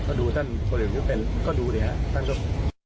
ก็ดูท่านคนเอกระยุทธ์เป็นก็ดูเลยนะครับ